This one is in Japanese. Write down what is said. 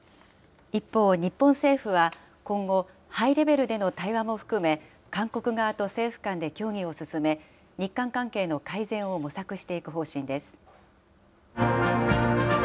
一方、日本政府は今後、ハイレベルでの対話も含め、韓国側と政府間で協議を進め、日韓関係の改善を模索していく方針です。